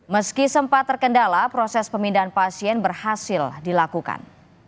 meski sempat terkendala proses pemindahan pasien berhasil dilakukan